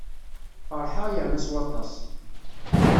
Feṛḥeɣ yerna s waṭas.